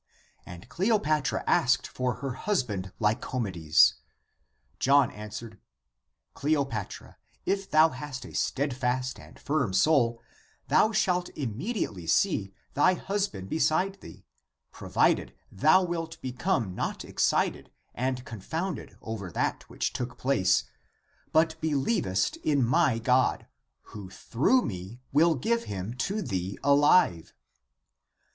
And Cleopatra asked for her husband Lycomedes. John answered, " Cleopatra, if thou hast a steadfast and firm soul, thou shalt im mediately see thy husband beside thee, provided thou become not excited and confounded over that which took place, but believest in my God, who through me will give him to thee alive.